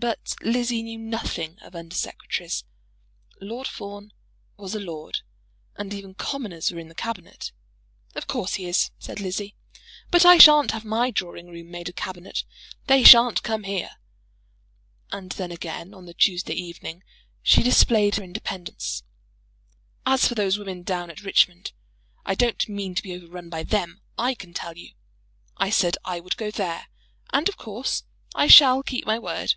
But Lizzie knew nothing of Under Secretaries. Lord Fawn was a lord, and even commoners were in the Cabinet. "Of course he is," said Lizzie; "but I sha'n't have my drawing room made a Cabinet. They sha'n't come here." And then again on the Tuesday evening she displayed her independence. "As for those women down at Richmond, I don't mean to be overrun by them, I can tell you. I said I would go there, and of course I shall keep my word."